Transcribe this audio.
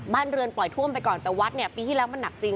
บ้านเรือนปล่อยท่วมไปก่อนแต่วัดเนี่ยปีที่แล้วมันหนักจริง